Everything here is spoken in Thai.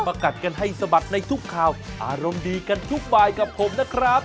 กัดกันให้สะบัดในทุกข่าวอารมณ์ดีกันทุกบายกับผมนะครับ